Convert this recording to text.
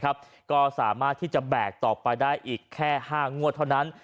ก็สามารถที่จะแบกต่อไปได้อีกแค่๕งวดเท่านั้น